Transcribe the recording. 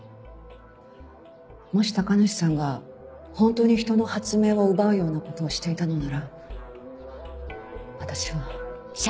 もし高梨さんがホントに人の発明を奪うようなことをしていたのなら私は。